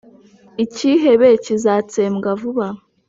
icyihebe kizatsembwa vuba